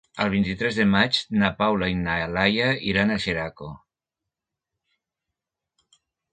El vint-i-tres de maig na Paula i na Laia iran a Xeraco.